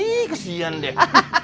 ih kesian deh